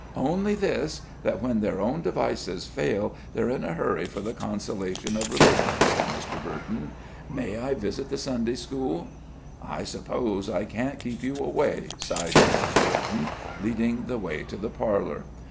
"] "Only this that when their own devices fail, they're in a hurry for the consolations of religion," said Mr. Burton. "May I visit the Sunday school?" "I suppose I can't keep you away," sighed Mrs. Burton, leading the way to the parlor.